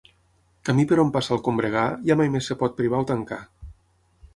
Camí per on passa el combregar, ja mai més es pot privar o tancar.